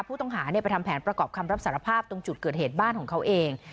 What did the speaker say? ผู้ต้องหาไปทำแผนประกอบคำรับสารภาพตรงจุดเกิดเหตุบ้านของเขาเอง